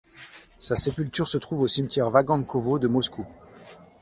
Sa sépulture se trouve au cimetière Vagankovo de Moscou.